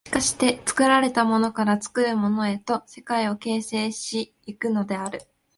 しかして作られたものから作るものへと世界を形成し行くのである。